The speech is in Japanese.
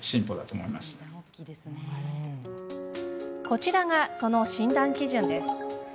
こちらが、その診断基準です。